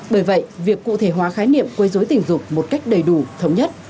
bởi vậy việc cụ thể hóa khái niệm quây dối tình dục một cách đầy đủ thống nhất